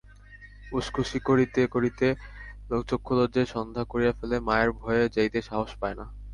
উসখুসি করিতে করিতে চক্ষুলজ্জায় সন্ধ্যা করিয়া ফেলে, মায়ের ভয়ে যাইতে সাহস পায় না।